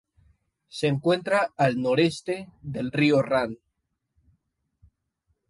Se encuentra al noroeste del Río Han.